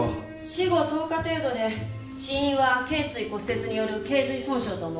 死後１０日程度で死因は頸椎骨折による頸髄損傷と思われます。